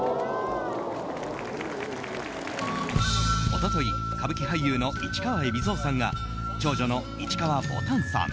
一昨日歌舞伎俳優の市川海老蔵さんが長女の市川ぼたんさん